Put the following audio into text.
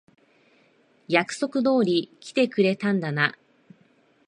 約束通り来てくれたんだな。